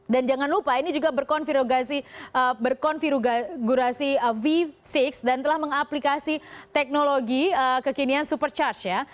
dan jangan lupa ini juga berkonfigurasi v enam dan telah mengaplikasi teknologi kekinian supercharged ya